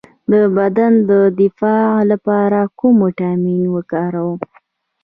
د بدن د دفاع لپاره کوم ویټامین وکاروم؟